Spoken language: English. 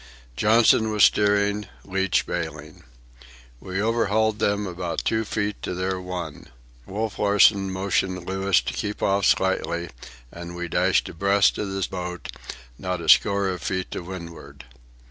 Johnson was steering, Leach bailing. We overhauled them about two feet to their one. Wolf Larsen motioned Louis to keep off slightly, and we dashed abreast of the boat, not a score of feet to windward.